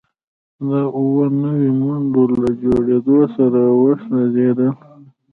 د اووه نوي منډو له جوړیدو سره وسوځیدل